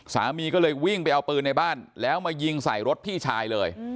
สามีก็เลยวิ่งไปเอาปืนในบ้านแล้วมายิงใส่รถพี่ชายเลย